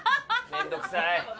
面倒くさい。